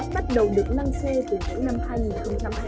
bắt đầu được năng xê từ những năm hai nghìn không trăm hai